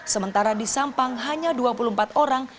sementara di sampang hanya dua puluh empat orang